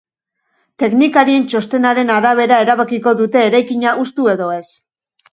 Teknikarien txostenaren arabera erabakiko dute eraikina hustu edo ez.